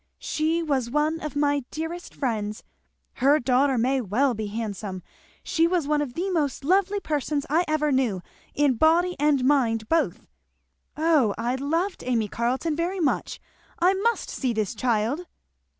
She was one of my dearest friends. Her daughter may well be handsome she was one of the most lovely persons I ever knew; in body and mind both. O I loved Amy Carleton very much. I must see this child."